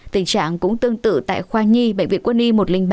tình trạng cũng tương tự tại khoa nhi bệnh viện quân y một trăm linh ba